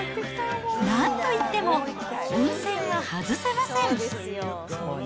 なんといっても、温泉は外せません。